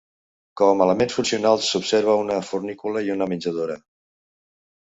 Com a elements funcionals s'observa una fornícula i una menjadora.